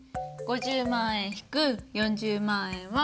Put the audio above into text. ５０万円引く４０万円は。